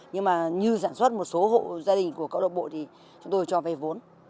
nhưng mà như sản xuất một số hộ gia đình của câu lạc bộ thì chúng tôi cho vay vốn